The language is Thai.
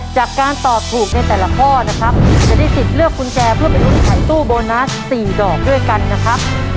จากการตอบถูกในแต่ละข้อนะครับจะได้สิทธิ์เลือกกุญแจเพื่อไปลุ้นขายตู้โบนัส๔ดอกด้วยกันนะครับ